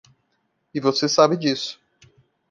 E você sabe disso.